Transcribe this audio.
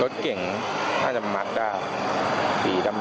รถเก่งน่าจะมัดได้สีดำ